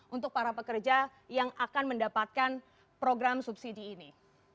untuk para pekerja yang akan mendapatkan program subsidi ini